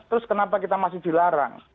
terus kenapa kita masih dilarang